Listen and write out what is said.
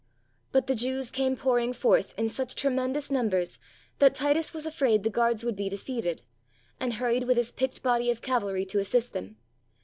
But the Jews came pouring forth in such tremendous numbers that Titus was afraid the guards would be de feated, and hurried with his picked body of cavalry to assist them.